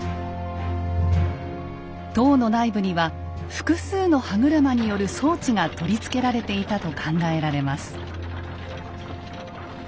塔の内部には複数の歯車による装置が取り付けられていたと考えられます。